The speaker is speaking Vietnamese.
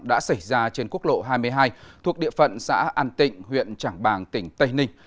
đã xảy ra trên quốc lộ hai mươi hai thuộc địa phận xã an tịnh huyện trảng bàng tỉnh tây ninh